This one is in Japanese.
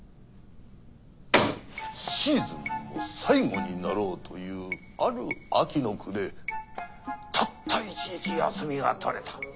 シーズンも最後になろうというある秋の暮れたった一日休みがとれた。